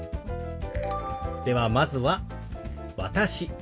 ではまずは「私」。